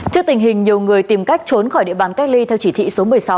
trước tình hình nhiều người tìm cách trốn khỏi địa bàn cách ly theo chỉ thị số một mươi sáu